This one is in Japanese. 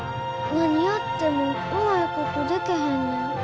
何やってもうまいことでけへんねん。